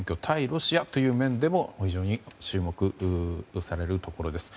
ロシアという面でも非常に注目されるところです。